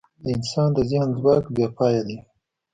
د انسان د ذهن ځواک بېپایه دی.